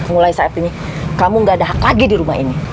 mulai saat ini kamu gak ada hak lagi di rumah ini